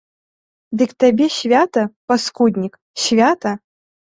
Дык табе свята, паскуднік, свята?